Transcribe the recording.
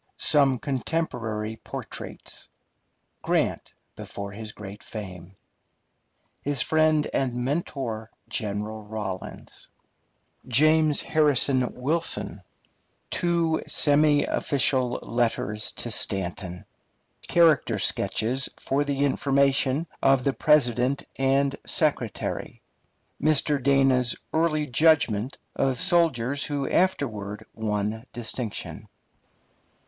SOME CONTEMPORARY PORTRAITS. Grant before his great fame His friend and mentor, General Rawlins James Harrison Wilson Two semi official letters to Stanton Character sketches for the information of the President and Secretary Mr. Dana's early judgment of soldiers who afterward won distinction.